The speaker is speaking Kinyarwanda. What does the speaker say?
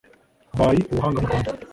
by ubuhanga mu rwanda